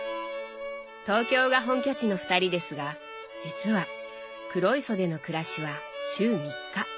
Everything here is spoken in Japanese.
東京が本拠地の二人ですが実は黒磯での暮らしは週３日。